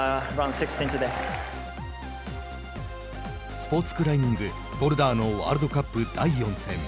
スポーツクライミングボルダーのワールドカップ第４戦。